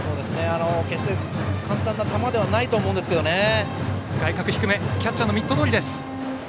決して簡単な球ではないと外角低めキャッチャーのミットどおりです。